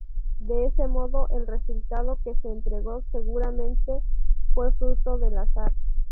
De ese modo el resultado que se entregó seguramente fue fruto del azar.